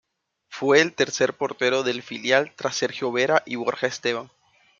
Fue el tercer portero del filial tras Sergio Vera y Borja Esteban.